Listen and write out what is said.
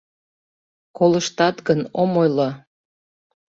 Колыштат гын, ом ойло.